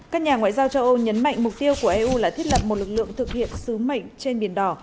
các nhà ngoại giao châu âu nhấn mạnh mục tiêu của eu là thiết lập một lực lượng thực hiện sứ mệnh trên biển đỏ